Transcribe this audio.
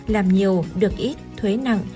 làm nhiều được ít thuế nặng